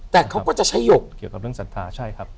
แต่เขาก็จะใช้หยกเกี่ยวกับเรื่องศรัทธาใช่ครับ